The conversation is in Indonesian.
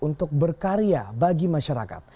untuk berkarya bagi masyarakat